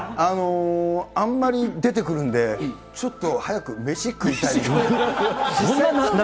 あんまり出てくるんで、ちょっと早く飯食いたいみたいな。